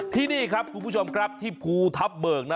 ที่นี่ครับคุณผู้ชมครับที่ภูทับเบิกนะ